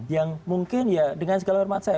yang mungkin ya dengan segala hormat saya